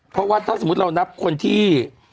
เพราะว่าถ้าสมมุติเรานับคนที่